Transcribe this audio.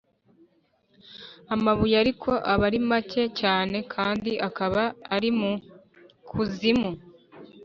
amabuye ariko aba ari make cyane kandi akaba ari mu kuzimu